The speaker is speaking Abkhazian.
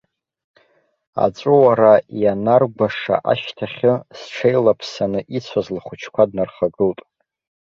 Аҵәуара ианаргәаша ашьҭахьы, зҽеилаԥсаны ицәаз лхәыҷқәа днархагылт.